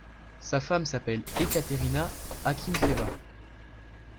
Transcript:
Sa femme s'appelle Ekaterina Akinfeeva.